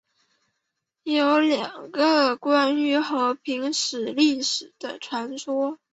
有两种关于和平寺历史的传说。